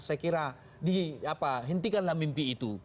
saya kira di apa hentikanlah mimpi itu